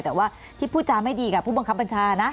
แต่ว่าที่พูดจาไม่ดีกับผู้บังคับบัญชานะ